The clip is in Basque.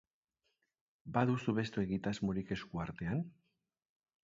Baduzu beste egitasmorik esku artean?